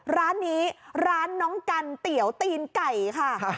ร้านนี้ร้านน้องกันเตี๋ยวตีนไก่ค่ะ